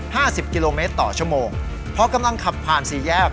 สิบกิโลเมตรต่อชั่วโมงพอกำลังขับผ่านสี่แยก